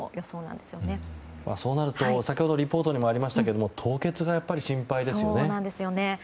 そうなると先ほどリポートにもありましたが凍結がやっぱり心配ですよね。